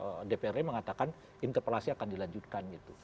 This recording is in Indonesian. kalau dprd mengatakan interpelasi akan dilanjutkan gitu